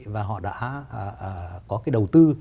và họ đã có cái đầu tư